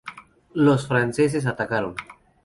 Los franceses atacaron.